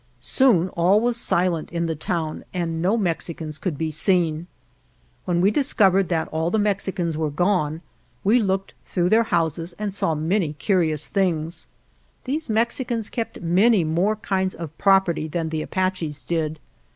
Soon all was silent in the town and no Mexicans could be seen. When we discovered that all the Mexicans were gone we looked through their houses and saw many curious things. These Mex icans kept many more kinds of property than the Apaches did.